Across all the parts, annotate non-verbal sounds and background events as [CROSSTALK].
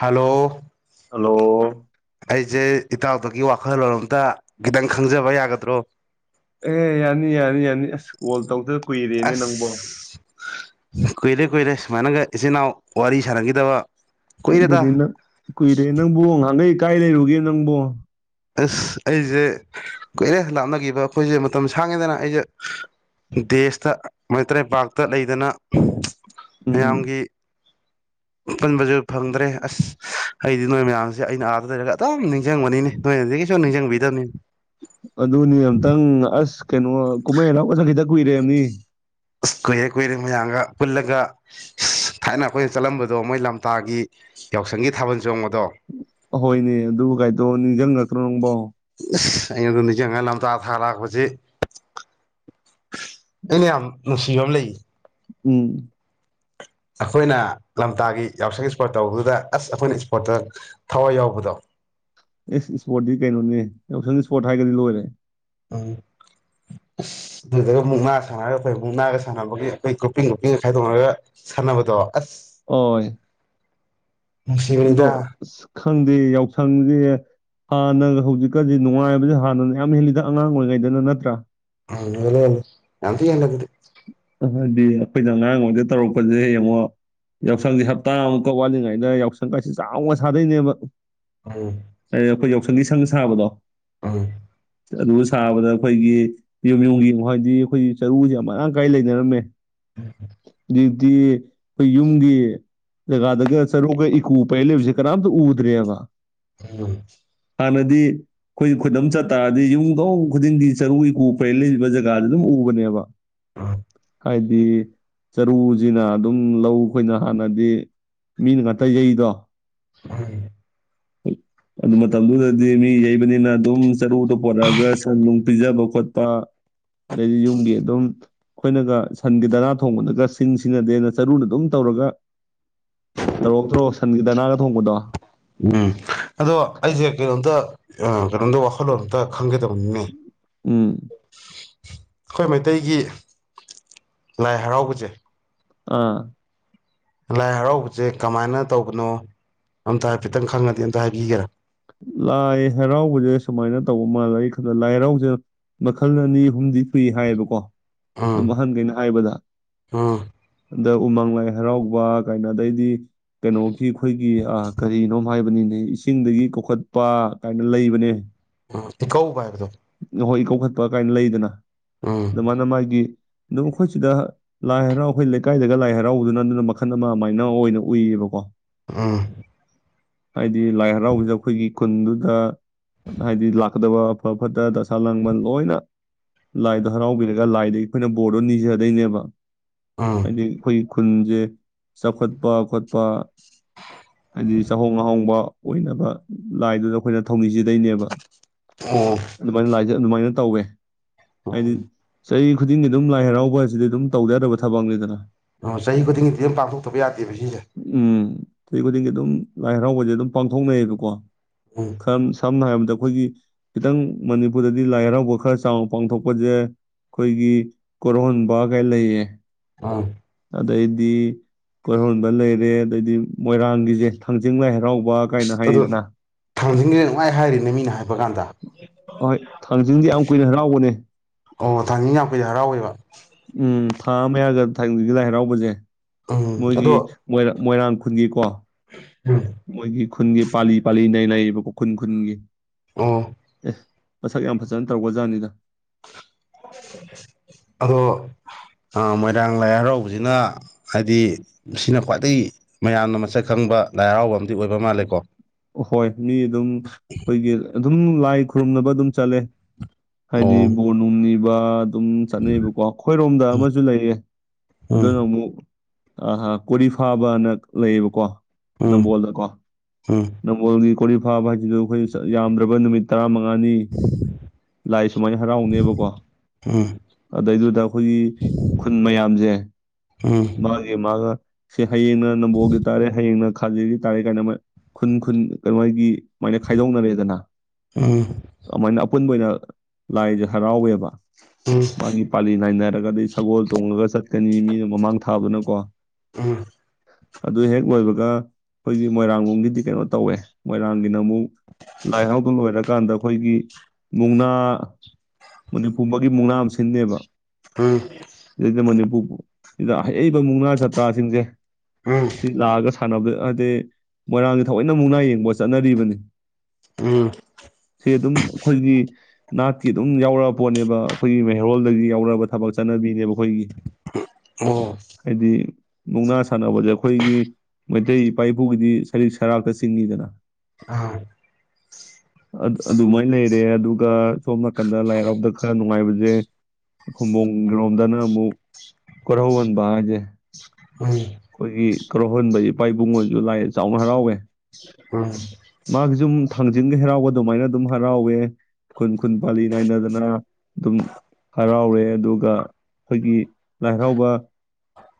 Hello hello ꯑꯩꯁꯦ ꯏꯇꯥꯎꯇꯒꯤ ꯋꯥꯈꯜꯂꯣꯟ ꯑꯝꯇ ꯈꯤꯇꯪ ꯈꯪꯖꯕ ꯌꯥꯒꯗ꯭ꯔꯣ ꯑꯦ ꯌꯥꯅꯤ ꯌꯥꯅꯤ ꯌꯥꯅꯤ ꯑꯁ ꯀꯣꯜ ꯇꯧꯗ ꯀꯨꯏꯔꯦꯅꯦ ꯅꯪꯕꯣ ꯑꯁ ꯀꯨꯏꯔꯦ ꯀꯨꯏꯔꯦ ꯁꯨꯃꯥꯏꯅꯒ ꯏꯆꯤꯟꯜ ꯏꯅꯥꯎ ꯋꯥꯔꯤ ꯁꯥꯟꯅꯈꯤꯗꯕ ꯑꯗꯨ ꯀꯨꯏꯔꯦꯗ ꯑꯗꯨꯗꯤ ꯅꯪ ꯀꯨꯏꯔꯦ ꯅꯪꯕꯨ ꯉꯥꯍꯥꯟꯒꯩ ꯀꯥꯏ ꯂꯩꯔꯨꯒꯦ ꯅꯪꯕꯣ ꯑꯁ ꯑꯩꯁꯦ ꯀꯨꯏꯔꯦ ꯂꯥꯞꯅꯈꯤꯕ ꯑꯩꯈꯣꯏꯁꯦ ꯃꯇꯝ ꯁꯥꯡꯉꯤꯗꯅ ꯑꯩꯁꯦ ꯗꯦꯁꯇ ꯃꯩꯇꯔ꯭ꯄꯥꯛꯔꯇ ꯂꯩꯗꯅ ꯎꯝ ꯃꯌꯥꯝꯒꯤ ꯄꯨꯟꯕꯁꯨ ꯐꯪꯗ꯭ꯔꯦ ꯑꯁ ꯑꯩꯗꯤ ꯅꯣꯏ ꯃꯌꯥꯝꯁꯦ ꯑꯩꯅ ꯑꯥꯗ ꯂꯩꯔꯒ ꯑꯗꯨꯝ ꯅꯤꯡꯖꯡꯕꯅꯤꯅꯦ ꯑꯗꯨꯅꯤ ꯑꯝꯇꯪ ꯑꯁ ꯀꯩꯅꯣ ꯀꯨꯝꯍꯩ ꯍꯥꯎꯒ ꯆꯠꯈꯤꯗ ꯀꯨꯏꯔꯦꯝꯅꯤ ꯀꯨꯏꯔꯦ ꯀꯨꯏꯔꯦ ꯃꯌꯥꯝꯒ ꯄꯨꯜꯂꯒ ꯑꯁ-ꯊꯥꯏꯅ ꯈꯣꯏꯅ ꯆꯠꯂꯝꯕꯗꯣ ꯃꯣꯏ ꯂꯝꯇꯥꯒꯤ ꯌꯥꯎꯁꯪꯒꯤ ꯊꯥꯕꯜ ꯆꯣꯡꯕꯗꯣ꯫ ꯍꯣꯏꯅꯦ ꯑꯗꯨꯒꯥꯏꯗꯣ ꯅꯤꯡꯖꯪꯉꯛꯇ꯭ꯔꯣ ꯅꯪꯕꯣ꯫ ꯑꯁ ꯑꯩꯅ ꯑꯗꯨ ꯅꯤꯡꯁꯤꯡꯉꯒ ꯂꯝꯇꯥ ꯊꯥ ꯂꯥꯛꯄꯁꯤ ꯑꯩꯅ ꯌꯥꯝ ꯅꯨꯡꯁꯤꯕ ꯑꯃ ꯂꯩꯌꯦ꯫ ꯎꯝ꯫ ꯑꯈꯣꯏꯅ ꯂꯝꯇꯥꯒꯤ ꯌꯥꯎꯁꯪ ꯏ꯭ꯁꯄꯣꯔꯠ ꯇꯧꯕꯗꯨꯗ ꯑꯁ ꯑꯩꯈꯣꯏꯅ ꯏ꯭ꯁꯄꯣꯔꯠꯇ ꯊꯋꯥꯏ ꯌꯥꯎꯕꯗꯣ꯫ ꯑꯦ ꯁ꯭ꯄꯣꯔꯠꯇꯤ ꯀꯩꯅꯣꯅꯦ ꯌꯥꯎꯁꯪ ꯁ꯭ꯄꯣꯔꯠ ꯍꯥꯏꯒ꯭ꯔꯗꯤ ꯂꯣꯏꯔꯦ꯫ ꯎꯝ ꯑꯁ ꯑꯗꯨꯗꯒ ꯃꯨꯛꯅꯥ ꯁꯥꯟꯅꯔꯒ ꯑꯈꯣꯏ ꯃꯨꯛꯅꯥꯒ ꯁꯥꯟꯅꯕꯒꯤ ꯑꯩꯈꯣꯏ ꯒ꯭ꯔꯨꯞꯄꯤꯡ ꯒ꯭ꯔꯨꯞꯄꯤꯡꯒ ꯈꯥꯏꯗꯣꯛꯅꯔꯒ ꯁꯥꯟꯅꯕꯗꯣ꯫ ꯑꯁ ꯑꯣꯏ꯫ ꯅꯨꯡꯁꯤꯕꯅꯤꯗ ꯑꯗꯣ ꯈꯪꯗꯦ ꯌꯥꯎꯁꯪꯁꯦ ꯍꯥꯟꯅꯒ ꯍꯧꯖꯤꯛꯀꯗꯤ ꯅꯨꯡꯉꯥꯏꯕꯖꯦ ꯍꯥꯟꯅꯅ ꯌꯥꯝ ꯍꯦꯜꯂꯤꯗ ꯑꯉꯥꯡ ꯑꯣꯏꯔꯤꯉꯩꯗꯅ ꯅꯠꯇ꯭ꯔꯥ꯫ ꯑ ꯍꯦꯜꯂꯦ ꯍꯦꯜꯂꯦ ꯌꯥꯝ ꯊꯤ ꯍꯦꯜꯂꯦ ꯗꯨꯗꯤ꯫ ꯍꯥꯏꯗꯤ ꯑꯈꯣꯏꯅ ꯑꯉꯥꯡ ꯑꯣꯏꯉꯩꯗ ꯇꯧꯔꯛꯄꯁꯦ ꯌꯦꯡꯉꯣ ꯌꯥꯎꯁꯪꯁꯦ ꯍꯞꯇꯥ ꯃꯨꯛꯀ ꯋꯥꯠꯂꯤꯉꯩꯗ ꯌꯥꯎꯁꯪ ꯀꯥꯁꯦ ꯆꯥꯎꯅ ꯁꯥꯗꯣꯏꯅꯦꯕ꯫ ꯎꯝ꯫ ꯑꯩ ꯑꯩꯈꯣꯏ ꯌꯥꯎꯁꯪꯒꯤ ꯁꯪ ꯁꯥꯕꯗꯣ꯫ ꯎꯝ꯫ ꯑꯗꯨ ꯁꯥꯕꯗ ꯑꯈꯣꯏꯒꯤ ꯌꯨꯝ ꯌꯨꯝꯒꯤ ꯍꯥꯏꯗꯤ ꯑꯩꯈꯣꯏꯒꯤ ꯆꯔꯨꯁꯦ ꯌꯥꯝ ꯃꯔꯥꯡ ꯀꯥꯏ ꯂꯩꯅꯔꯝꯃꯦ꯫ ꯍꯥꯏꯗꯤ ꯑꯩꯈꯣꯏ ꯌꯨꯝꯒꯤ ꯖꯒꯥꯗꯒ ꯆꯔꯨꯒ ꯏꯀꯨ ꯄꯩ ꯂꯩꯕꯁꯦ ꯀꯅꯥꯝꯇ ꯎꯗ꯭ꯔꯦꯕ꯫ ꯎꯝ꯫ ꯍꯥꯅꯗꯤ ꯈꯣꯏ [UNINTELLIGIBLE] ꯃꯨꯛ ꯆꯠ꯫ ꯍꯥꯏꯗꯤ ꯌꯨꯝꯊꯣꯡ ꯈꯨꯗꯤꯡꯒꯤ ꯆꯔꯨ ꯏꯀꯨ ꯄꯩꯔ ꯂꯩꯕ ꯖꯒꯥꯗꯨ ꯑꯗꯨꯝ ꯎꯕꯅꯦꯕ꯫ ꯑꯥ꯫ ꯍꯥꯏꯗꯤ꯫ ꯆꯔꯨꯁꯤꯅ ꯑꯗꯨꯝ ꯂꯧ ꯑꯩꯈꯣꯏꯅ ꯍꯥꯟꯅꯗꯤ ꯃꯤꯅ ꯉꯥꯛꯇ ꯌꯩꯗꯣ꯫ [UNINTELLIGIBLE] ꯑꯗꯨ ꯃꯇꯝꯗꯨꯗꯗꯤ ꯃꯤ ꯌꯩꯕꯅꯦ ꯑꯗꯨꯝ ꯆꯔꯨꯗ ꯄꯣꯔꯛꯑꯒ ꯁꯟ ꯅꯨꯡ ꯄꯤꯖꯕ ꯈꯣꯠꯄ ꯑꯗꯩꯗꯤ ꯌꯨꯝꯒꯤ ꯑꯗꯨꯝ ꯑꯩꯈꯣꯏꯅꯒ ꯁꯟꯒꯤ ꯗꯅꯥ ꯊꯣꯡꯕꯗꯒ ꯁꯤꯡ ꯁꯤꯖꯤꯟꯅꯗꯦꯅ ꯆꯔꯨꯅ ꯑꯗꯨꯝ ꯇꯧꯔꯒ ꯇꯧꯔꯛꯇ꯭ꯔꯣ ꯁꯟꯒꯤ ꯗꯅꯥꯒ ꯊꯣꯡꯕꯗꯣ꯫ ꯎꯝ ꯑꯗꯣ ꯑꯩꯁꯦ ꯀꯩꯅꯣꯝꯇ ꯀꯩꯅꯣꯝꯗ ꯋꯥꯈꯜꯂꯣꯟ ꯑꯃꯇ ꯈꯪꯒꯦ ꯇꯧꯅꯤꯅꯦ꯫ ꯎꯝ꯫ ꯑꯈꯣꯏ ꯃꯩꯇꯩꯒꯤ ꯂꯥꯏ ꯍꯔꯥꯎꯕꯁꯦ꯫ ꯑ꯫ ꯂꯥꯏ ꯍꯔꯥꯎꯕꯁꯦ ꯀꯃꯥꯏꯅ ꯇꯧꯕꯅꯣ ꯑꯝꯇ ꯍꯥꯏꯐꯦꯠꯇꯪ ꯈꯪꯉꯗꯤ ꯑꯝꯇ ꯍꯥꯏꯕꯤꯒꯦꯔꯥ꯫ ꯂꯥꯏ ꯍꯔꯥꯎꯕꯁꯦ ꯁꯨꯃꯥꯏꯅ ꯇꯧꯕ ꯃꯥꯜꯂꯦ ꯑꯩ ꯈꯟꯗ ꯂꯥꯏ ꯍꯔꯥꯎꯁꯦ ꯃꯈꯜ ꯑꯅꯤ ꯑꯍꯨꯝꯗꯤ ꯁꯨꯏ ꯍꯥꯏꯌꯦꯕꯀꯣ꯫ ꯎꯝ ꯑꯍꯟ ꯒꯩꯅ ꯍꯥꯏꯕꯗ꯫ ꯎꯝ ꯗ ꯎꯃꯪ ꯂꯥꯏ ꯍꯔꯥꯎꯕ ꯀꯥꯏꯅ ꯑꯗꯩꯗꯤ ꯀꯩꯅꯣꯒꯤ ꯈꯣꯏꯒꯤ ꯑ-ꯀꯔꯤꯅꯣꯝ ꯍꯥꯏꯕꯅꯤꯅꯦ ꯏꯁꯤꯡꯗꯒꯤ ꯀꯧꯈꯠ ꯈꯠꯄ ꯀꯥꯏꯅ ꯂꯩꯕꯅꯦ꯫ ꯑ ꯏꯀꯧꯕ ꯍꯥꯏꯕꯗꯣ꯫ ꯍꯣꯏ ꯏꯀꯧꯈꯠꯄ ꯀꯥꯏꯅ ꯂꯩꯗꯅ꯫ ꯎꯝ ꯗ ꯃꯥꯅ ꯃꯥꯒꯤ꯫ ꯑꯗꯨ ꯈꯣꯏꯁꯤꯗ ꯂꯥꯏ ꯍꯔꯥꯎ ꯑꯩꯈꯣꯏ ꯂꯩꯀꯥꯏꯗꯒ ꯂꯥꯏ ꯍꯔꯥꯎꯕꯗꯨꯅ ꯑꯗꯨꯅ ꯃꯈꯜ ꯑꯃ ꯑꯗꯨꯃꯥꯏꯅ ꯑꯣꯏꯅ ꯎꯏꯌꯦꯕꯀꯣ꯫ ꯑꯥ ꯍꯥꯏꯗꯤ ꯂꯥꯏ ꯍꯔꯥꯎꯗ ꯑꯩꯈꯣꯏꯒꯤ ꯈꯨꯟꯗꯨꯗ ꯍꯥꯏꯗꯤ ꯂꯥꯛꯀꯗꯕ ꯑꯐꯕ ꯐꯠꯇ ꯗꯁꯥ ꯂꯥꯡꯃꯟ ꯂꯣꯏꯅ ꯂꯥꯏꯗꯣ ꯍꯔꯥꯎꯕꯤꯔꯒ ꯂꯥꯏꯗꯒꯤ ꯑꯩꯈꯣꯏꯅ ꯕꯣꯔꯗꯣ ꯅꯤꯖꯗꯣꯏꯅꯦꯕ ꯎꯝ ꯍꯥꯏꯗꯤ ꯑꯩꯣꯏ ꯈꯨꯟꯁꯦ ꯆꯥꯎꯈꯠꯄ ꯈꯣꯠꯄ ꯍꯥꯏꯗꯤ ꯆꯍꯣꯡ ꯑꯍꯣꯡꯕ ꯑꯣꯏꯅꯕ ꯂꯥꯏꯗꯨꯗ ꯑꯩꯈꯣꯏꯅ ꯊꯧꯅꯤꯖꯗꯣꯏꯅꯦꯕ ꯑꯣ ꯑꯗꯨ ꯃꯅꯤ ꯂ ꯗ ꯑꯗꯨꯃꯥꯏꯅ ꯇꯧꯋꯦ ꯍꯥꯏꯗꯤ ꯆꯍꯤ ꯈꯨꯗꯤꯡꯒꯤ ꯑꯗꯨꯝ ꯂꯥꯏ ꯍꯔꯥꯎꯕ ꯍꯥꯏꯁꯤꯗꯤ ꯑꯗꯨꯝ ꯇꯧ ꯌꯥꯗꯕ ꯊꯕꯛꯅꯤꯗꯅ ꯑꯣ ꯆꯍꯤ ꯈꯨꯗꯤꯡꯒꯤꯗꯤ ꯑꯗꯨꯝ ꯄꯥꯡꯊꯣꯛꯇꯕ ꯌꯥꯗꯦꯕ ꯁꯤꯁꯦ ꯎꯝ ꯆꯍꯤ ꯈꯨꯗꯤꯡꯒꯤ ꯑꯗꯨꯝ ꯂꯥꯏ ꯍꯔꯥꯎꯕꯁꯦ ꯑꯗꯨꯝ ꯄꯥꯡꯊꯣꯛꯅꯩꯌꯦꯕꯀꯣ ꯎꯝ ꯈ ꯁꯝꯅ ꯍꯥꯏ ꯑꯩꯈꯣꯏꯒꯤ ꯈꯤꯇꯪ ꯃꯅꯤꯄꯨꯔꯗꯗꯤ ꯂꯥꯏ ꯍꯔꯥꯎꯕ ꯈꯔ ꯆꯥꯎꯅ ꯄꯥꯡꯊꯣꯛꯄꯁꯦ ꯑꯩꯈꯣꯏꯒꯤ ꯀꯣꯔꯍꯣꯟꯕ ꯀꯥꯏ ꯂꯩꯌꯦ ꯑꯥ ꯑꯗꯩꯗꯤ ꯀꯣꯏꯔꯣꯟꯕ ꯂꯩꯔꯦ ꯑꯗꯩꯗꯤ ꯃꯣꯏꯔꯥꯡꯒꯤꯁꯦ ꯊꯥꯡꯖꯤꯡ ꯂꯥꯏ ꯍꯔꯥꯎꯕ ꯑꯁ ꯀꯥꯏꯅ ꯑꯗꯣ ꯍꯥꯏꯔꯤꯗꯅ ꯊꯥꯡꯖꯟꯒꯦ ꯅꯨꯡꯉꯥꯏ ꯍꯥꯏꯔꯤꯅꯦ ꯃꯤꯅ ꯍꯥꯏ ꯐꯕꯒꯥꯟꯗ ꯍꯣꯏ ꯊꯥꯡꯖꯤꯡꯗꯤ ꯌꯥꯝ ꯀꯨꯏꯅ ꯍꯔꯥꯎꯕꯅꯦ ꯑꯣ ꯊꯥꯡꯖ ꯌꯥꯝꯄꯩꯗ ꯍꯔꯥꯎꯋꯦꯕ ꯎꯝ ꯊꯥ ꯑꯃ ꯌꯥꯒ ꯊꯒꯤ ꯂꯥꯏ ꯍꯔꯥꯎꯕꯁꯦ ꯎꯝ ꯃꯣꯏꯒꯤ ꯑꯗꯣ ꯃꯣꯏ ꯃꯣꯏꯔꯥꯡ ꯈꯨꯟꯒꯤꯀꯣ ꯎꯝ ꯃꯣꯏꯒꯤ ꯈꯨꯟꯒꯤ ꯄꯥꯂꯤ ꯄꯥꯂꯤꯅ ꯂꯩꯔꯤꯕ ꯈꯨꯈ ꯈꯨꯨꯟ ꯈꯨꯟꯒꯤ ꯑ ꯑꯦ ꯃꯁꯛ ꯌꯥꯝ ꯐꯖꯅ ꯇꯧꯒ ꯖꯥꯠꯅꯤꯗ ꯑꯗꯣ ꯃꯣꯏꯔꯥꯡ ꯂꯥꯏ ꯍꯔꯥꯎꯕꯁꯤꯅ ꯍꯥꯏꯗꯤ ꯁꯤꯅ ꯈ꯭ꯋꯥꯏꯗꯗꯒꯤ ꯃꯌꯥꯝꯅ ꯃꯁꯛ ꯈꯪꯕ ꯂꯥꯏ ꯍꯔꯥꯎꯕ ꯑꯃꯗꯤꯝ ꯑꯣꯏꯕ ꯃꯥꯜꯂꯦꯀꯣ ꯍꯣꯏ ꯃꯤ ꯑꯗꯨꯝ ꯑꯩꯈꯣꯏꯒꯤ ꯑꯗꯨꯝ ꯂꯥꯏ ꯈꯨꯔꯨꯝꯅꯕ ꯑꯗꯨꯝ ꯆꯠꯂꯦ ꯍꯥꯏꯗꯤ ꯑꯣ ꯕꯣꯔꯅꯨꯡꯅꯤꯕ ꯑꯥ ꯑꯗꯨꯝ ꯆꯠꯅꯩꯑꯕꯀꯣ ꯑꯩꯈꯣꯏꯔꯣꯝꯗ ꯑꯃꯁꯨ ꯂꯩꯌꯦ ꯎꯝ ꯑꯗꯨꯅ ꯑꯃꯨꯛ ꯑꯍꯥ ꯀꯣꯔꯤ ꯐꯥꯕꯅ ꯂꯩꯌꯦꯕꯀꯣ ꯎꯝ ꯅꯝꯕꯣꯜꯗꯀꯣ ꯎꯝ ꯅꯝꯕꯣꯜꯅꯤ ꯀꯣꯔꯤ ꯐꯥꯕ ꯍꯥꯏꯖꯤꯗꯨ ꯑꯩꯈꯣꯏ ꯆꯠ ꯌꯥꯝꯗ꯭ꯔꯥꯕꯗ ꯅꯨꯃꯤꯠ ꯇꯔꯥ ꯃꯉꯥꯅꯤ ꯂꯥꯏ ꯁꯨꯃꯥꯏꯅ ꯍꯔꯥꯎꯅꯦꯕꯀꯣ ꯎꯝ ꯑꯗꯩꯗꯨꯗ ꯑꯩꯈꯣꯏꯒꯤ ꯈꯨꯟ ꯃꯌꯥꯝꯖꯦ ꯎꯝ ꯃꯥꯒꯤ ꯃꯥꯒ ꯁꯤ ꯍꯌꯦꯡꯅ ꯅꯝꯕꯣꯜꯒꯤ ꯇꯥꯔꯦ ꯍꯌꯦꯡꯅ ꯈꯥꯒꯤꯔꯤ ꯇꯥꯔꯦ ꯀꯥꯏꯅ ꯃꯣꯏ ꯈꯨꯟ-ꯈꯨꯟ ꯀꯩꯅꯣꯒꯤ ꯃꯥꯏꯅ ꯈꯥꯏꯗꯣꯛꯅꯔꯦꯗꯅ ꯎꯝ ꯑꯃꯥꯏꯅ ꯑꯄꯨꯟꯕ ꯑꯣꯏꯅ ꯂꯥꯏꯖꯦ ꯍꯔꯥꯎꯋꯦꯕ ꯎꯝ ꯃꯥꯒꯤ ꯄꯂꯤ ꯅꯥꯏꯅꯔꯒꯗꯤ ꯁꯒꯣꯜ ꯇꯣꯡꯉꯥꯒ ꯆꯠ ꯇꯅꯤ ꯃꯤꯅ ꯃꯃꯥꯡ ꯊꯥꯕꯅꯀꯣ ꯎꯝ ꯑꯗꯨ ꯍꯦꯛ ꯂꯣꯏꯕꯒ ꯑꯩꯈꯣꯏꯒꯤ ꯃꯣꯏꯔꯥꯡ ꯒꯤꯗꯤ ꯀꯩꯅꯣ ꯇꯧꯋꯦ ꯃꯣꯏꯔꯥꯡꯒꯤꯅ ꯃꯨꯛ ꯂꯥꯏ ꯍꯔꯥꯎ ꯂꯣꯏꯔꯀꯥꯟꯗ ꯑꯩꯈꯣꯏꯒꯤ ꯃꯨꯛꯅꯥ ꯃꯅꯤꯄꯨꯝꯕꯒꯤ ꯃꯨꯛꯅꯥ ꯑꯃ ꯁꯤꯟꯅꯦꯕ ꯎꯝ ꯎꯝ [UNINTELLIGIBLE] ꯃꯅꯤꯄꯨꯔ ꯁꯤꯗ ꯑꯍꯩ-ꯑꯍꯩꯕ ꯃꯨꯛꯅꯥ ꯖꯥꯇ꯭ꯔꯥꯁꯤꯡꯖꯦ ꯎꯝ ꯁꯤ ꯂꯥꯛꯑꯒ ꯁꯟꯅꯕ ꯍꯥꯗꯤ ꯃꯣꯏꯔꯥꯡꯒꯤ ꯊꯑꯣꯏꯅ ꯃꯨꯛꯅꯥ ꯌꯦꯡꯕ ꯆꯠꯅꯔꯤꯕꯅꯤ ꯎꯝ ꯁꯤ ꯑꯗꯨꯝ ꯑꯈꯣꯏꯒꯤ ꯅꯥꯠꯀꯤ ꯑꯗꯨꯝ ꯌꯥꯎꯔꯛꯕ ꯄꯣꯠꯅꯦꯕ ꯑꯈꯣꯏꯒꯤ ꯃꯩꯍꯧꯔꯣꯜꯗꯒꯤ ꯌꯥꯎꯔꯛꯑꯕ ꯊꯕꯛ ꯆꯠꯅꯕꯤꯅꯦꯕ ꯑꯈꯣꯏꯒꯤ ꯑꯣ ꯍꯥꯏꯗꯤ ꯃꯨꯛꯅꯥ ꯁꯥꯟꯅꯕꯖꯦ ꯑꯩꯈꯣꯏꯒꯤ ꯃꯩꯇꯩ ꯏꯄꯥ ꯏꯄꯨꯒꯤꯗꯤ ꯁꯔꯤꯛ-ꯁꯔꯥꯛꯇ ꯆꯤꯡꯉꯤꯗꯅ ꯑꯥ ꯑꯗꯨꯃꯥꯏꯅ ꯂꯩꯔꯦ ꯑꯗꯨꯒ ꯁꯣꯝ ꯅꯥꯀꯟꯗ ꯂꯥꯏ ꯍꯔꯥꯎꯗ ꯈꯔ ꯅꯨꯡꯉꯥꯏꯕꯖꯦ ꯈꯨꯝꯕꯣꯡ ꯔꯣꯝꯗꯅ ꯑꯃꯨꯛ ꯀꯣꯔꯧꯍꯟꯕ ꯍꯥꯏꯖꯦ ꯎꯝ ꯑꯈꯣꯏꯒꯤ ꯀꯔꯧꯍꯟꯕ ꯏꯄꯥ ꯏꯕꯨꯡꯖꯨ ꯂꯥꯏ ꯆꯥꯎꯅ ꯍꯔꯥꯎꯋꯦ ꯎꯝ ꯃꯥꯒꯤꯖꯨ ꯊꯥꯡꯖꯤꯡꯒꯤ ꯍꯔꯥꯎꯕ ꯑꯗꯨꯃꯥꯏꯅ ꯑꯗꯨꯝ ꯍꯔꯥꯎꯋꯦ ꯈꯨꯟ-ꯈꯨꯟ ꯄꯥꯜꯂꯤ ꯅꯥꯏꯅꯗꯅ ꯑꯗꯨꯝ ꯍꯔꯥꯎꯔꯦ ꯑꯗꯨꯒ ꯑꯩꯈꯣꯏꯒꯤ ꯂꯥꯏ ꯍꯔꯥꯎꯕ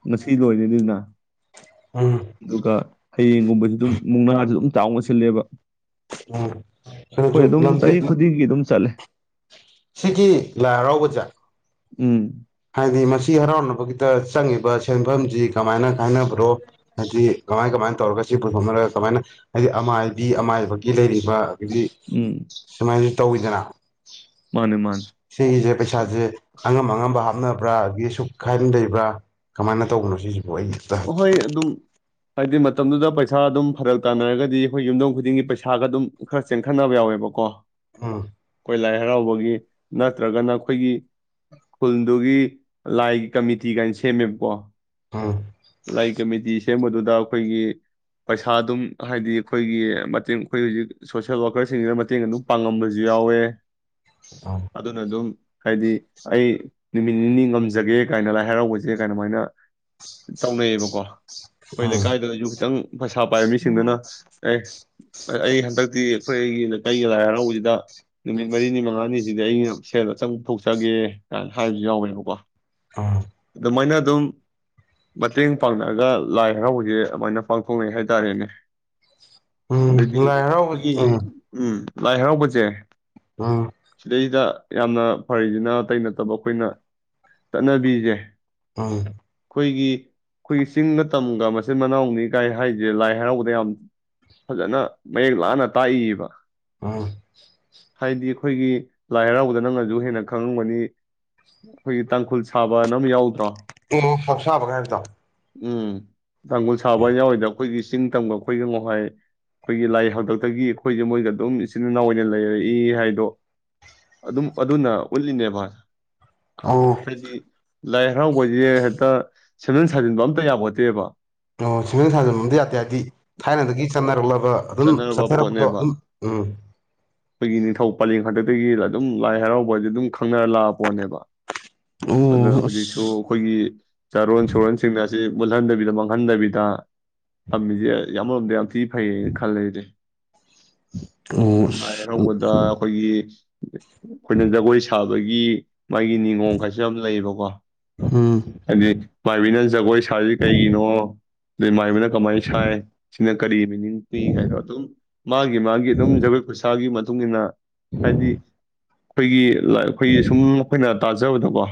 ꯉꯁꯤ ꯂꯣꯏꯔꯤꯅꯤꯗꯅ ꯎꯝ ꯑꯗꯨꯒ ꯍꯌꯦꯡꯒꯨꯝꯕꯖꯨ ꯗꯨꯝ ꯃꯨꯛꯅꯥꯖꯨ ꯑꯗꯨꯝ ꯆꯥꯎꯅ ꯁꯤꯜꯂꯦꯕ ꯎꯝ ꯑꯈꯣꯏ ꯀꯩꯅꯣꯁꯨ ꯑꯗꯨꯝ ꯆꯍꯤ ꯂꯝꯖꯦꯜ ꯈꯨꯗꯤꯡꯒꯤ ꯑꯗꯨꯝ ꯆꯠꯂꯦ ꯁꯤꯒꯤ ꯂꯥꯏ ꯍꯔꯥꯎꯕꯖꯦ ꯎꯝ ꯍꯥꯏꯗꯤ ꯃꯁꯤ ꯍꯔꯥꯎꯅꯕꯒꯤꯗ ꯆꯪꯉꯤꯕ ꯁꯦꯟꯐꯝꯖꯤ ꯀꯃꯥꯏꯅ ꯀꯥꯟꯅꯕ꯭ꯔꯣ ꯍꯥꯏꯗꯤ ꯀꯃꯥꯏ-ꯀꯃꯥꯏ ꯇꯧꯔꯒ ꯁꯤ ꯄꯨꯊꯣꯛꯅꯔꯒ ꯀꯃꯥꯏꯅ ꯍꯥꯏꯗꯤ ꯑꯃꯥꯏꯕꯤ-ꯑꯃꯥꯏꯕꯒꯤ ꯂꯩꯔꯤꯕ [UNINTELLIGIBLE] ꯗꯤ ꯎꯝ ꯁꯨꯃꯥꯏ ꯇꯧꯋꯤꯗꯅ ꯃꯥꯅꯦ ꯃꯥꯅꯦ ꯁꯤꯒꯤꯖꯦ ꯄꯩꯁꯥꯖꯦ ꯑꯉꯝ-ꯑꯉꯝꯕ ꯍꯥꯞ ꯍꯥꯞꯅꯕ꯭ꯔꯥ ꯑꯒꯤ ꯁꯨꯈꯥꯏꯅ ꯂꯩꯕ꯭ꯔꯥ ꯀꯃꯥꯏꯅ ꯇꯧꯕꯅꯣ ꯁꯤꯖꯦ ꯑꯣꯏꯣꯏꯇ [UNINTELLIGIBLE] ꯍꯣꯏ ꯑꯗꯨꯝ ꯍꯥꯏꯗꯤ ꯃꯇꯝꯗꯨꯗ ꯄꯩꯁꯥ ꯑꯗꯨꯝ ꯐꯔꯛ ꯇꯥꯟꯅꯔꯒꯗꯤ ꯑꯩꯈꯣꯏ ꯌꯨꯝꯗꯣꯡ ꯈꯨꯗꯤꯡꯒꯤ ꯄꯩꯁꯥꯒ ꯑꯗꯨꯝ ꯈꯔ ꯆꯦꯟꯈꯠꯅꯕ ꯌꯥꯎꯋꯦꯕꯀꯣ ꯎꯝ ꯑꯩꯈꯣꯏ ꯂꯥꯏ ꯍꯔꯥꯎꯕꯒꯤ ꯅꯠꯇ꯭ꯔꯒꯅ ꯑꯩꯈꯣꯏꯒꯤ ꯈꯨꯜꯗꯨꯒꯤ ꯂꯥꯏꯒꯤ ꯀꯃꯤꯇꯤ ꯀꯥꯏꯅ ꯁꯦꯝꯃꯦꯕꯀꯣ ꯑꯥ ꯂꯥꯏ ꯀꯃꯤꯇꯤ ꯁꯦꯝꯕꯗꯨꯗ ꯑꯩꯈꯣꯏꯒꯤ ꯄꯩꯁꯥ ꯑꯗꯨꯝ ꯍꯥꯏꯗꯤ ꯑꯩꯈꯣꯏꯒꯤ ꯃꯇꯦꯡ ꯑꯩꯈꯣꯏ ꯍꯧꯖꯤꯛ ꯁꯣꯁꯦꯜ ꯋꯥꯔꯀꯔꯁꯤꯡꯁꯤꯗ ꯃꯇꯦꯡ ꯑꯗꯨꯝ ꯄꯥꯡꯉꯝꯕꯁꯨ ꯌꯥꯎꯋꯦ ꯑꯗꯨ ꯑꯗꯨꯅ ꯑꯗꯨꯝ ꯍꯥꯏꯗꯤ ꯑꯩ ꯅꯨꯃꯤꯠ ꯅꯤꯅꯤ ꯉꯝꯖꯒꯦ ꯀꯥꯏꯅ ꯂꯥꯏ ꯍꯔꯥꯎꯁꯦ ꯀꯥꯏꯅꯃꯥꯏꯅ ꯇꯧꯅꯩꯌꯦꯕꯀꯣ ꯑꯩꯈꯣꯏ ꯎꯝ ꯂꯩꯀꯥꯏꯗꯨꯗꯁꯨ ꯈꯤꯇꯪ ꯐꯖ ꯄꯩꯁꯥ ꯄꯥꯏꯕ ꯃꯤꯁꯤꯡꯗꯨꯅ ꯑꯦ ꯑꯩ ꯍꯟꯗꯛꯇꯤ ꯑꯩꯈꯣꯏꯒꯤ ꯀꯩꯒꯤ ꯂꯥꯏ ꯍꯔꯥꯎꯕꯁꯤꯗ ꯅꯨꯃꯤꯠ ꯃꯔꯤꯅꯤ ꯃꯉꯥꯅꯤꯁꯤꯗꯤ ꯑꯩꯅ ꯁꯦꯜꯗ ꯆꯪꯕ ꯊꯣꯛꯆꯒꯦ ꯀꯥꯏꯅ ꯍꯥꯏꯕꯁꯨ ꯌꯥꯎꯋꯦꯕꯀꯣ ꯎꯝ ꯑꯗꯨꯃꯥꯏꯅ ꯑꯗꯨꯨꯝ ꯃꯇꯦꯡ ꯄꯥꯡꯉꯛꯑꯒ ꯂꯥꯏ ꯍꯔꯥꯎꯕꯁꯦ ꯑꯗꯨꯃꯥꯏꯅ ꯄꯥꯡꯊꯣꯛꯅꯩ ꯍꯥꯏꯇꯥꯔꯦꯅꯦ ꯎꯝ ꯑꯗꯩꯗꯤ ꯂꯥꯏ ꯍꯔꯥꯎꯕ ꯑꯩꯈꯣꯏꯒꯤ ꯎꯝ ꯎꯝ ꯂꯥꯏ ꯍꯔꯥꯎꯕꯁꯦ ꯎꯝ ꯁꯤꯗꯩꯁꯤꯗ ꯌꯥꯝꯅ ꯐꯔꯤꯁꯤꯅ ꯑꯇꯩ ꯅꯠꯇꯕ ꯑꯩꯈꯣꯏꯅ ꯆꯠꯅꯕꯤꯁꯦ ꯑ ꯑꯩꯈꯣꯏꯒꯤ ꯑꯩꯈꯣꯏꯒꯤ ꯆꯤꯡꯒ ꯇꯝꯒ ꯃꯆꯤꯟ ꯃꯅꯥꯎꯅꯤ ꯀꯥꯏ ꯍꯥꯏꯁꯦ ꯂꯥꯏ ꯍꯔꯥꯎꯕꯗ ꯌꯥꯝ ꯐꯖꯅ ꯃꯌꯦꯛ ꯂꯥꯅ ꯇꯥꯛꯏꯕ ꯑꯥ ꯍꯥꯏꯗꯤ ꯑꯩꯈꯣꯏꯒꯤ ꯂꯥꯏ ꯍꯔꯥꯎꯕꯗ ꯅꯪꯅꯁꯨ ꯍꯦꯟꯅ ꯈꯪꯉꯕꯅꯤ ꯑꯩꯈꯣꯏꯒꯤ ꯇꯥꯡꯈꯨꯜ ꯁꯥꯕꯅꯝ ꯌꯥꯎꯗ꯭ꯔꯣ ꯎ ꯍꯞꯁꯥꯕ ꯀꯥꯏ ꯍꯥꯏꯗꯣ ꯎꯝ ꯒꯣꯟ ꯁꯕꯩꯅꯦ ꯋꯥꯋꯥꯏꯗꯎ ꯑꯩꯈꯣꯏꯒꯤ ꯆꯤꯡ ꯇꯝꯒ ꯑꯩꯈꯣꯏꯒ ꯉꯍꯥꯏ ꯑꯩꯈꯣꯏꯒꯤ ꯂꯥꯏ ꯍꯗꯛꯇꯒꯤ ꯑꯩꯈꯣꯏꯁꯦ ꯃꯣꯏꯒ ꯑꯗꯨꯝ ꯏꯆꯤꯟ ꯏꯅꯥꯎꯏ ꯑꯣꯏꯅ ꯂꯩꯔꯛꯏ ꯍꯥꯏꯗꯣ ꯑꯗꯨꯝ ꯑꯗꯨꯅ ꯎꯠꯂꯤꯅꯦꯕ ꯑ ꯍꯥꯏꯗꯤ ꯂꯥꯏ ꯍꯔꯥꯎꯕ [UNINTELLIGIBLE] ꯑ ꯁꯦꯝꯖꯤꯟ ꯁꯥꯖꯤꯟꯕ ꯑꯝꯇ ꯌꯥꯄꯣꯠꯇꯦꯕ ꯑꯣ ꯁꯦꯝꯖꯤꯟ ꯁꯥꯖꯤꯟꯕꯝꯗꯤ ꯌꯥꯗꯦ ꯍꯥꯏꯕꯗꯤ ꯊꯥꯏꯅꯗꯒꯤ ꯆꯠꯅꯔꯛꯂꯕ ꯑꯗꯨꯝ ꯆꯠꯅꯔꯕ ꯆꯠꯊꯔꯛꯄꯗꯣ ꯄꯣꯠꯅꯦꯕ ꯑꯗꯨꯝ ꯎꯝ ꯑꯩꯈꯣꯏꯒꯤ ꯅꯤꯡꯊꯧ ꯄꯂꯦꯝ ꯈꯥꯛꯛꯇꯒꯤ ꯑꯗꯨꯝ ꯂꯥꯏ ꯍꯔꯥꯎꯕ ꯍꯥꯏꯗꯤ ꯑꯗꯨꯝ ꯈꯪꯅꯔ ꯂꯥꯛꯑ ꯄꯣꯠꯅꯦꯕ ꯑꯗꯨꯅ ꯑꯣ ꯍꯧꯖꯤꯛꯁꯨ ꯑꯁ ꯑꯩꯈꯣꯏꯒꯤ ꯆꯥꯔꯣꯟ ꯁꯨꯔꯣꯟꯁꯤꯡ ꯑꯁꯤ ꯃꯨꯜꯍꯟꯗꯕꯤꯗ ꯃꯥꯡꯍꯟꯗꯕꯤꯗ ꯊꯝꯃꯤꯁꯦ ꯌꯥꯝ ꯑꯃꯔꯣꯝꯗ ꯌꯥꯝ ꯊꯤ ꯐꯩꯌꯦ ꯈꯜ ꯂꯩꯔꯤꯦ ꯑꯣ ꯂꯥꯏ ꯑꯁ ꯍꯔꯥꯎꯧꯕꯗ ꯑꯩꯈꯣꯏꯒꯤ ꯑꯩꯈꯣꯏꯅ ꯖꯒꯣꯏ ꯁꯥꯕ ꯑꯗꯒꯤ ꯃꯥꯒꯤ ꯅꯤꯉꯣꯝ ꯀꯩꯁꯨ ꯌꯥꯝ ꯂꯩꯌꯦꯕꯀꯣ ꯎꯝ ꯍꯥꯏꯗꯤ ꯃꯥꯏꯕꯤꯅ ꯖꯒꯣꯏ ꯁꯥꯔꯤ ꯀꯩꯒꯤꯅꯣ ꯑꯗꯩ ꯃꯥꯏꯕꯅ ꯀꯃꯥꯏꯅ ꯁꯥꯏ ꯁꯤꯅ ꯀꯔꯤ ꯃꯤꯅꯤꯡ ꯄꯤ ꯀꯥꯏꯗꯣ ꯑꯗꯨꯝ ꯃꯥꯒꯤ ꯃꯥꯒꯤ ꯑꯗꯨꯝ ꯖꯒꯣꯏ ꯈꯨꯠꯁꯥ ꯑꯗꯨꯒꯤ ꯃꯇꯨꯡ ꯏ ꯃꯇꯨꯡꯏꯟꯅ ꯍꯥꯏꯗꯤ ꯑꯩꯈꯣꯏꯒꯤ ꯑꯩꯈꯣꯏꯒꯤ ꯁꯨꯝ ꯑꯩꯈꯣꯏꯅ ꯇꯥꯖ ꯆꯥꯖꯕꯗꯀꯣ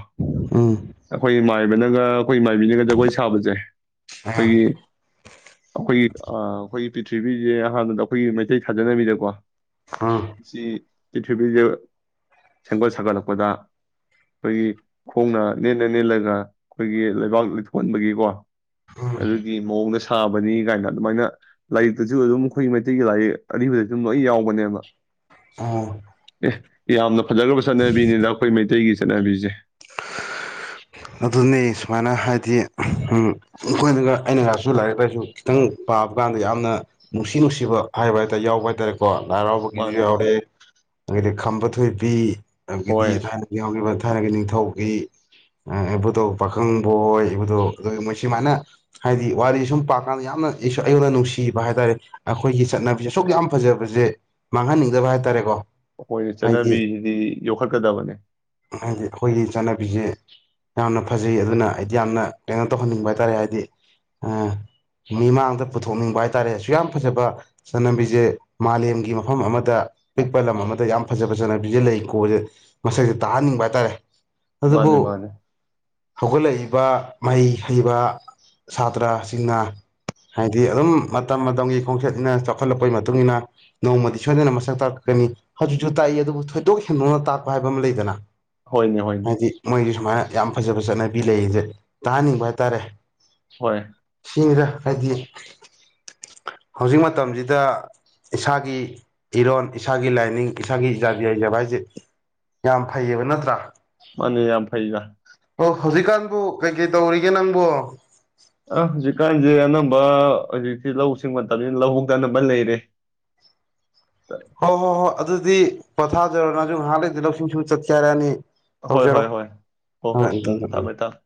ꯎꯝ ꯎꯝ ꯑꯩꯈꯣꯏ ꯃꯥꯏꯕꯅꯒ ꯑꯩꯈꯣꯏ ꯏ ꯃꯥꯏꯕꯤꯅꯒ ꯖꯒꯣꯏ ꯁꯥꯕꯁꯦ ꯑꯩꯈꯣꯏꯒꯤ ꯑꯩꯈꯣꯏꯒꯤ ꯑ ꯍꯣꯏ ꯄ꯭ꯔꯤꯊꯤꯕꯤꯁꯦ ꯑꯍꯥꯟꯕꯗ ꯑꯩꯈꯣꯏꯒꯤ ꯃꯩꯇꯩ ꯊꯥꯖꯅꯕꯤꯗꯀꯣ ꯁꯤ ꯄ꯭ꯤꯔꯤꯊꯤꯕꯤꯁꯦ ꯁꯦꯝꯒꯠ ꯁꯥꯒꯠꯂꯛꯄꯗ ꯑꯩꯈꯣꯏꯒꯤ ꯈꯣꯡꯅ ꯅꯦꯟꯅ ꯅꯦꯂꯒ ꯑꯩꯈꯣꯏꯒꯤ ꯂꯩꯕꯥꯛ ꯂꯩꯊꯣꯛꯍꯟꯕꯒꯤꯀꯣ ꯎꯝ ꯑꯗꯨꯒꯤ ꯃꯑꯣꯡꯅ ꯁꯥꯕꯅꯤ ꯀꯥꯏꯅ ꯑꯗꯨꯃꯥꯏꯅ ꯂꯥꯏꯔꯤꯛꯇꯁꯨ ꯑꯗꯨꯝ ꯑꯩꯈꯣꯏ ꯃꯩꯇꯩꯒꯤ ꯂꯥꯏꯔꯤꯛ ꯑꯔꯤꯕꯗ ꯑꯗꯨꯝ ꯂꯣꯏ ꯌꯥꯎꯕꯅꯦꯕ ꯑꯥ ꯌꯥꯝ ꯌꯥꯝꯅ ꯐꯖꯈ꯭ꯔꯕ ꯆꯠꯅꯕꯤꯅꯤꯅ ꯑꯩꯈꯣꯏ ꯃꯩꯇꯩꯒꯤꯁꯤ ꯠꯇꯅꯕꯤꯖꯦ ꯑꯗꯨꯅꯤ ꯁꯨꯃꯥꯏꯅ ꯍꯥꯏꯗꯤ ꯑꯩꯈꯣꯏꯅꯒ ꯑꯩꯅꯒꯁꯨ ꯂꯥꯏꯔꯤꯛ ꯂꯥꯏꯁꯨ ꯈꯤꯇꯪ ꯄꯥꯕ ꯀꯥꯟꯗ ꯌꯥꯝꯅ ꯅꯨꯡꯁꯤ ꯅꯨꯡꯁꯤꯕ ꯍꯥꯏꯕ ꯍꯥꯏꯇꯥꯔꯦ ꯌꯥꯎꯕ ꯍꯥꯏ ꯇꯥꯔꯦꯀꯣ ꯃꯥꯅꯦ ꯃꯥꯅꯦ ꯂꯔꯕꯨꯒꯔꯦ ꯑꯗꯤ ꯈꯥꯝꯕ ꯊꯣꯏꯕꯤ ꯍꯣꯏ ꯑꯗꯨꯒꯤꯗꯤ ꯊꯥꯏꯅꯒꯤ ꯌꯥꯎꯈꯤꯕ ꯍꯥꯟꯅꯒꯤ ꯅꯤꯡꯊꯧꯒꯤ ꯏꯕꯨꯙꯧ ꯄꯥꯈꯪꯕꯍꯣꯏ ꯏꯕꯨꯗꯧ ꯑꯗꯨꯒ ꯃꯣꯏ ꯁꯨꯃꯥꯏꯅ ꯍꯥꯏꯗꯤ ꯋꯥꯔꯤꯁꯦ ꯁꯨꯝ ꯄꯥꯛꯀꯥꯟꯗ ꯌꯥꯝꯅ ꯑꯩꯉꯣꯟꯗ ꯅꯨꯡꯁꯤꯕ ꯍꯥꯏ ꯇꯥꯔꯦ ꯑꯩꯈꯣꯏꯒꯤ ꯆꯠꯅꯕꯤꯁꯦ ꯑꯁꯨꯛ ꯌꯥꯝ ꯐꯖꯕꯁꯦ ꯃꯥꯡꯍꯟꯅꯤꯡꯗꯕ ꯍꯥꯏ ꯇꯥꯔꯦꯀꯣ ꯑꯩꯈꯣꯏ ꯆꯠꯅꯕꯤꯁꯤꯗꯤ ꯌꯣꯛꯈꯠꯀꯗꯕꯅꯦ ꯍꯥꯏꯗꯤ ꯑꯩꯈꯣꯏꯒꯤ [INAUDIBLE] ꯌꯥꯝꯅ ꯐꯖꯩ ꯑꯗꯨꯅ ꯍꯥꯏꯗꯤ ꯌꯥꯝꯅ ꯀꯩꯅꯣ ꯇꯧꯍꯟꯅꯤꯡꯕ ꯍꯥꯏ ꯇꯥꯔꯦ ꯍꯥꯏꯗꯤ ꯃꯤꯃꯥꯡꯗ ꯄꯨꯊꯣꯛꯅꯤꯡꯕ ꯍꯥꯏ ꯇꯥꯔꯦ ꯑꯁꯨꯛ ꯌꯥꯝ ꯐꯖꯕ ꯆꯠꯅꯕꯤꯁꯦ ꯃꯥꯂꯦꯝꯒꯤ ꯃꯐꯝ ꯑꯃꯗ ꯑꯄꯤꯛꯄ ꯂꯝ ꯑꯃꯗ ꯌꯥꯝ ꯐꯖꯕ ꯆꯠꯅꯕꯤꯁꯦ ꯂꯩ ꯀꯣꯁꯦ ꯃꯁꯛꯁꯦ ꯇꯥꯍꯟꯅꯤꯡꯕ ꯍꯥꯏ ꯇꯥꯔꯦ ꯃꯥꯅꯦ ꯃꯥꯅꯦ ꯍꯧꯒꯠꯂꯛꯏꯕ ꯃꯍꯩ ꯍꯩꯕ ꯁꯥꯇ꯭ꯔꯁꯤꯡꯅ ꯍꯥꯏꯗꯤ ꯑꯗꯨꯝ ꯃꯇꯝ ꯃꯇꯝꯒꯤ ꯈꯣꯡꯆꯠꯅꯤꯅ ꯆꯥꯎꯈꯠꯂꯛꯄꯒꯤ ꯃꯇꯨꯡ ꯏ ꯃꯇꯨꯡꯏꯟꯅ ꯅꯣꯡꯃꯗꯤ ꯁꯣꯏꯗꯅ ꯃꯁꯛ ꯇꯥꯛꯛꯀꯅꯤ ꯍꯧꯖꯤꯛꯁꯨ ꯇꯥꯛꯏ ꯑꯗꯨꯕꯨ ꯊꯣꯏꯗꯣꯛ ꯍꯦꯟꯗꯣꯛꯅ ꯇꯥꯛꯄ ꯍꯥꯏꯕ ꯑꯃ ꯂꯩꯗꯅ ꯍꯣꯏꯅꯦ ꯍꯣꯏꯅꯦ ꯍꯥꯏꯗꯤ ꯃꯣꯏꯒꯤ [UNINTELLIGIBLE] ꯌꯥꯝ ꯐꯖꯕ ꯆꯠꯅꯕꯤ ꯂꯩꯁꯦ ꯇꯥꯍꯟꯅꯤꯡꯕ ꯍꯥꯏꯇꯥꯔꯦ ꯍꯣꯏ ꯁꯤꯁꯦ ꯍꯥꯏꯗꯤ ꯍꯧꯖꯤꯛ ꯃꯇꯝꯁꯤꯗ ꯏꯁꯥꯒꯤ ꯏꯔꯣꯟ ꯏꯁꯥꯒꯤ ꯂꯥꯏꯅꯤꯡ ꯏꯁꯥꯒꯤ ꯏꯖꯥꯕꯤ ꯌꯥꯖꯕ ꯍꯥꯏꯁꯦ ꯌꯥꯝ ꯐꯩꯌꯦꯕ ꯅꯠꯇ꯭ꯔꯥ ꯃꯥꯅꯦ ꯌꯥꯝ ꯐꯩꯗ ꯑꯣ ꯍꯧꯖꯤꯛꯀꯥꯟꯕꯨ ꯀꯩ ꯀꯩ ꯇꯧꯔꯤꯒꯦ ꯅꯪꯕꯨ ꯑꯥ ꯍꯧꯖꯤꯛꯀꯥꯟꯁꯦ ꯑꯅꯝꯕ ꯍꯧꯖꯤꯛꯇꯤ ꯂꯧ ꯁꯤꯡ ꯃꯇꯝꯁꯤꯅ ꯂꯧꯍꯣꯡꯗꯅꯕ ꯂꯩꯔꯦ ꯍꯣꯏ ꯍꯣꯏ ꯍꯣꯏ ꯑꯗꯨꯗꯤ ꯄꯣꯊꯥꯖꯔꯣ ꯅꯁꯨ ꯉꯍꯥꯟ ꯂꯩꯗꯤ ꯂꯧꯁꯤꯡꯁꯤ ꯆꯠꯀꯦ ꯍꯥꯏꯔꯛꯑꯅꯤ ꯍꯣꯏ ꯍꯣꯏ ꯇꯧꯖꯔꯣ ꯍꯣꯏ ꯍꯣꯏ ꯍꯣꯏ ꯎꯝ ꯊꯝꯃꯦ ꯊꯝꯃꯦ